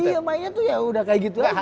iya mainnya tuh ya udah kayak gitu